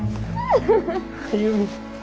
歩。